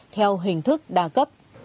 theo hình thức đa cấp